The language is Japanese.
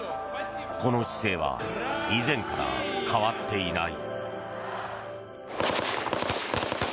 この姿勢は以前から変わっていない。